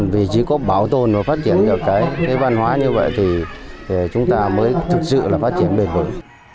vì chỉ có bảo tồn và phát triển được cái văn hóa như vậy thì chúng ta mới thực sự là phát triển bền vững